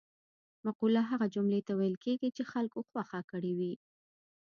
مقوله هغه جملې ته ویل کیږي چې خلکو خوښه کړې وي